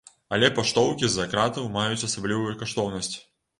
Але паштоўкі з-за кратаў маюць асаблівую каштоўнасць.